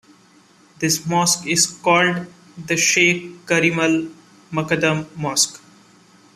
This mosque is called the Sheik Karimal Makdum Mosque.